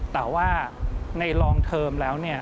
แต่ว่าในลองเทอมแล้ว